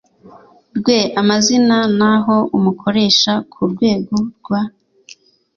rwe amazina n aho umukoresha ku rwego rwa